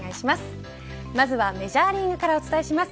まずはメジャーリーグからお伝えします。